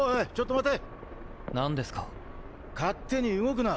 待て！